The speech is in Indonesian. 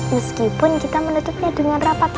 meskipun kita menutupnya dengan rapat terbatas